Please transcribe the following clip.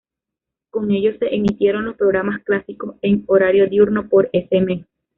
Con ello, se emitieron los programas clásicos en horario diurno por ese mes.